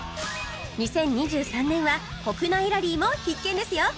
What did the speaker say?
２０２３年は国内ラリーも必見ですよ